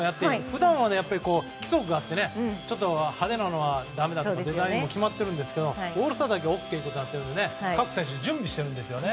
普段は規則があって派手なのはだめだとかデザインが決まっていますがオールスターだけＯＫとなっているので各選手が準備しているんですね。